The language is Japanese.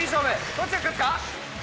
どっちが勝つか？